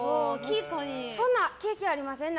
そんな経験ありません？